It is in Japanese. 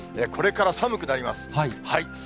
これから寒くなります。